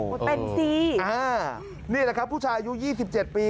เต้นสิอ่านี่แหละครับผู้ชายอายุ๒๗ปี